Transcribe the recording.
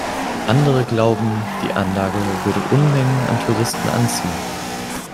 Andere glauben, die Anlage würde Unmengen an Touristen anziehen.